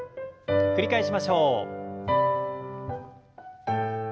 繰り返しましょう。